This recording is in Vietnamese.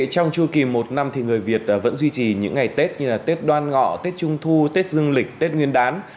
trong chu kỳ một năm người việt vẫn duy trì những ngày tết như tết đoan ngọ tết trung thu tết dương lịch tết nguyên đán